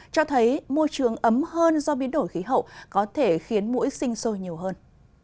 cho thấy môi trường ấm hơn do biến đổi khí hậu có thể khiến mũi sinh sôi nhiều hơn